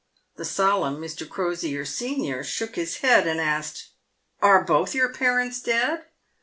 The solemn Mr. Crosier, senior, shook his head, and asked, " Are both your parents dead